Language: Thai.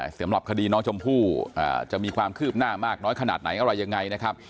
สำหรับคดีน้องชมพู่จะมีความคืบหน้ามากน้อยขนาดไหนอะไรยังไงนะครับ